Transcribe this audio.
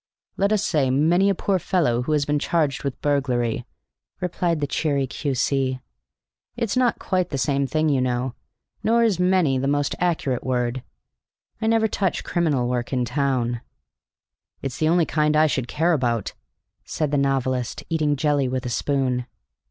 "Let us say many a poor fellow who has been charged with burglary," replied the cheery Q.C. "It's not quite the same thing, you know, nor is 'many' the most accurate word. I never touch criminal work in town." "It's the only kind I should care about," said the novelist, eating jelly with a spoon.